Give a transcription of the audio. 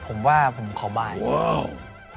ผมว่าผมขอบายว้าว